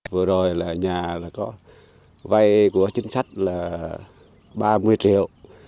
vừa rồi là nhà có vay của chính sách là ba mươi triệu